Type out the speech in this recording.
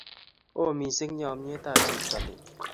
Oo missing chamnyetab cheptailel